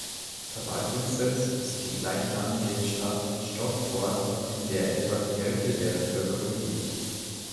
Verwaltungssitz ist die gleichnamige Stadt Stockport, in der etwa die Hälfte der Bevölkerung lebt.